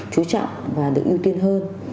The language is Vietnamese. chú trọng và được ưu tiên hơn